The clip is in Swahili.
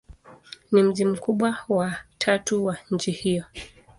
Ni mji mkubwa wa tatu wa nchi hiyo.